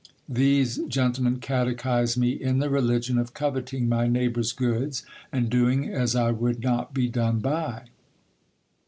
These gentlemen catechised me in the religion of coveting my neighbour's goods, and doing as I would not be done by.